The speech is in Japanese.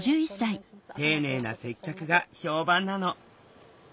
丁寧な接客が評判なの。